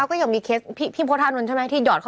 เอ้าก็ยังมีเคสพี่โพรทานุนใช่ไหมที่หยอดเข้าไป